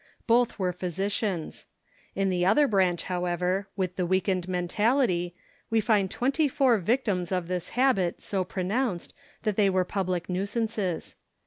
Both were physicians. In the other branch, however, with the weakened mentality, we find twenty four victims of this habit so pronounced that they were public nuisances.